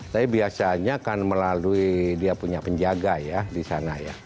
tapi biasanya kan melalui dia punya penjaga ya di sana ya